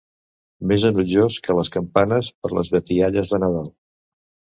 Més enutjós que les campanes per les batialles de Nadal.